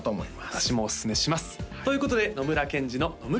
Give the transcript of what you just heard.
私もおすすめしますということで野村ケンジのノムケンＬａｂ！